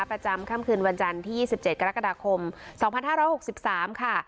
ประจำค่ำคืนวันจันทร์ที่๒๗กรกฎาคม๒๕๖๓ค่ะ